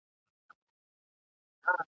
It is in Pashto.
کوم یو کار دی چي بادار ماته سپارلی !.